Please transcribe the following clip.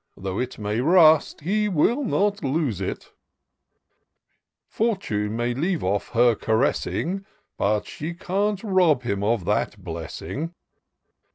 Though it may rust, he will not lose it : Fortune may leave off her caressing. But she can't rob him of that blessing.